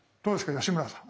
吉村さん。